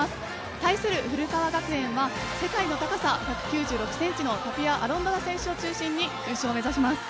対する古川学園は世界の高さ、１９６ｃｍのタピア・アロンドラ選手を中心に優勝を目指します。